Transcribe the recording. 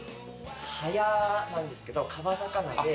はやなんですけど川魚で。